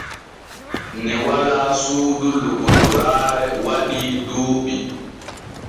Ne walaa suudu lokotoraare waɗii duuɓi.